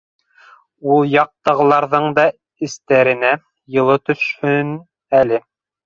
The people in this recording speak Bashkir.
Ул яҡтағыларҙың да эстәренә йылы төшһөн әле.